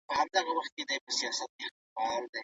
بیړنۍ غونډي څنګه راغوښتل کېږي؟